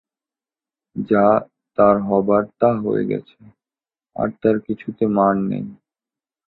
যা তার হবার তা হয়ে গেছে, আর তার কিছুতে মার নেই।